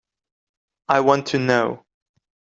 I want to know.